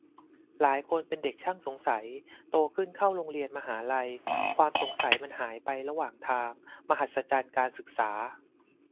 หลายคนเป็นเด็กช่างสงสัย โตขึ้นเข้าโรงเรียน มหาลัย ความสงสัยมันหายไประหว่างทาง - มหัศจรรย์การศึกษา !